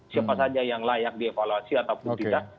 siapa saja yang layak dievaluasi ataupun tidak